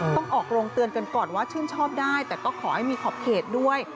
ต้องออกโรงเตือนกันก่อนว่าชื่นชอบได้แต่ก็ขอให้มีขอบเขตด้วย